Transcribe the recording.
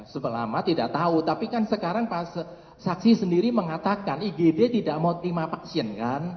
sebelah lama tidak tahu tapi kan sekarang saksi sendiri mengatakan igd tidak mau terima vaksin kan